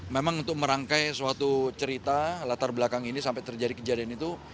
memang untuk merangkai suatu cerita latar belakang ini sampai terjadi kejadian itu